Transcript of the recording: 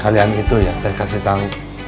kalian itu yang saya kasih tau